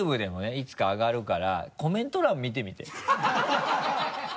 いつか上がるからコメント欄見てみて。